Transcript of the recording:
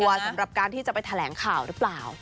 สำหรับการที่จะไปแถลงข่าวหรือเปล่า